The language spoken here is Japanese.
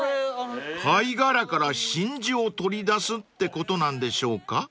［貝殻から真珠を取り出すってことなんでしょうか］